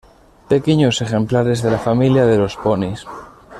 Pequeños ejemplares de la familia de los ponis.